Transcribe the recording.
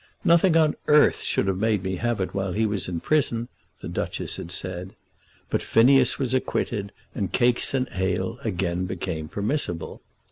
"Nothing on earth should have made me have it while he was in prison," the Duchess had said. But Phineas was acquitted, and cakes and ale again became permissible.